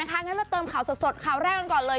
ตามนั้นเราเติมข่าวสดข่าวแรกก่อนเลย